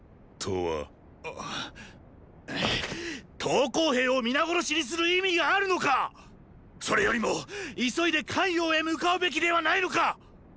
投降兵を皆殺しにする意味があるのか⁉それよりも急いで咸陽へ向かうべきではないのか！